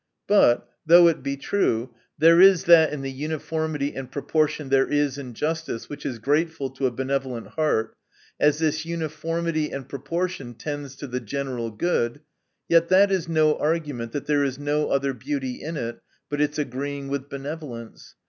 But, though it be true, there is that in the uniformity and proportion there is in justice, which is grateful to a benevolent heart, as this uniformity and proportion tends to the general good ; yet that is no argument, 1 that there is no other beauty in it but its agreeing with benevolence.